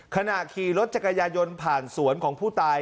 ขณะขี่รถจักรยายนผ่านสวนของผู้ตาย